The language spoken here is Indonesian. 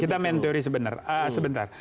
kita main teori sebenar